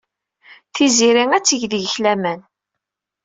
Tiziri ad teg deg-k laman.